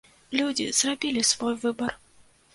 Людзі зрабілі свой выбар!